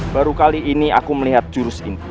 baru kali ini aku melihat jurus ini